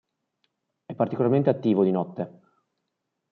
È particolarmente attivo di notte.